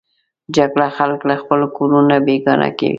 جګړه خلک له خپلو کورونو بېګانه کوي